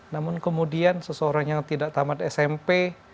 namun kemudian seseorang yang tidak tamat smp